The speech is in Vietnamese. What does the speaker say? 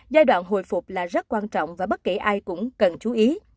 giai đoạn hồi phục là rất quan trọng và bất kể ai cũng cần chú ý